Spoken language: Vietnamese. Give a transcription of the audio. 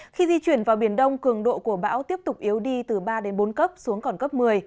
khi di chuyển vào biển đông cường độ của bão tiếp tục yếu đi từ ba đến bốn cấp xuống còn cấp một mươi